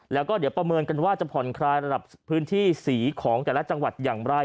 แล้วก็เดี๋ยวประเมินกันว่าจะผ่อนคลายระดับพื้นที่สีของแต่ละจังหวัดอย่างไร